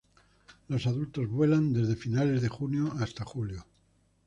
Los adultos vuelan desde finales de junio hasta julio.